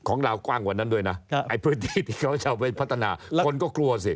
ลาวกว้างกว่านั้นด้วยนะไอ้พื้นที่ที่เขาจะเอาไปพัฒนาคนก็กลัวสิ